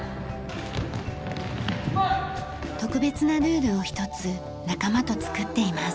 特別なルールを一つ仲間と作っています。